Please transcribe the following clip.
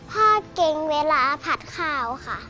พ่อเก่งเวลาผัดข้าวค่ะ